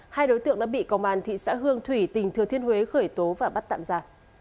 hai đối tượng đã bị công an thị xã hương thủy tỉnh thừa thiên huế khởi tố và bắt tạm ra